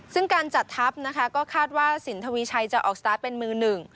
ซึ่งการจัดทัพนะคะก็คาดว่าสินทวีชัยจะออกสตาร์ทเป็นมือหนึ่ง